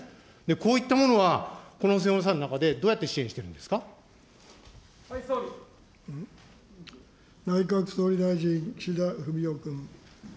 こういったものはこの補正予算の中でどうやって支援してるんです内閣総理大臣、岸田文雄君。